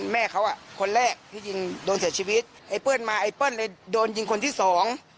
แม่เขาอ่ะคนแรกที่ยิงโดนเสียชีวิตไอ้เปิ้ลมาไอ้เปิ้ลเลยโดนยิงคนที่สอง